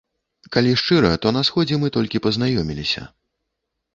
Калі шчыра, то на сходзе мы толькі пазнаёміліся.